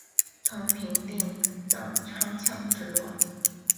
曾平定宕昌羌之乱。